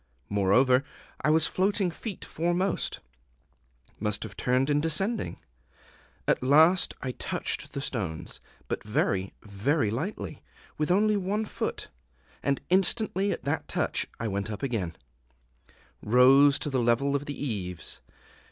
Moreover, I was floating feet foremost must have turned in descending. At last I touched the stones but very, very lightly, with only one foot; and instantly at that touch I went up again, rose to the level of the eaves.